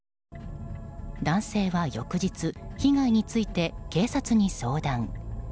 男性は翌日、被害について警察に相談。